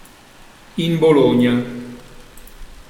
In Bologna